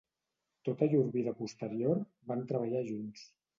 Tota llur vida posterior van treballar junts.